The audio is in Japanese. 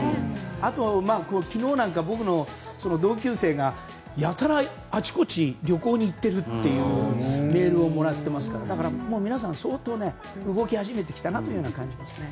あとは、昨日なんか僕の同級生がやたら、あちこち旅行に行っているというメールをもらっていますから皆さん、相当動き始めてきたなと感じますね。